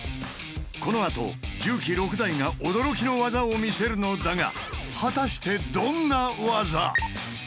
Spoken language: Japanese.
このあと重機６台が驚きの技を見せるのだが果たしてどんな技？